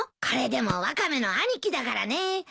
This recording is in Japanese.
これでもワカメの兄貴だからね。